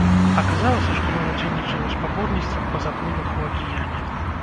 Аказалася, што ён удзельнічае ў спаборніцтвах па заплывах у акіяне.